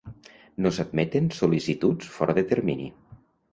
No s'admeten sol·licituds fora de termini.